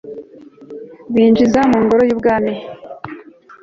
babinjiza mu ngoro y'ibwami